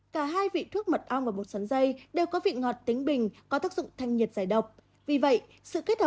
cả hai vị thuốc mật ong và bột sắn dây đều có vị ngọt tính bình có tác dụng thanh nhiệt giải độc